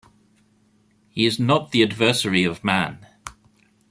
He is not the adversary of man.